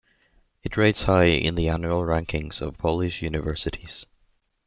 It rates high in the annual rankings of Polish universities.